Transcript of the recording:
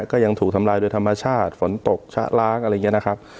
ก็ยังถูกทำลายโดยธรรมชาติฝนตกชะล้างอะไรอย่างนี้นะครับ